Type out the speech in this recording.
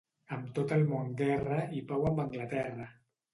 Amb tot el món guerra i pau amb Anglaterra.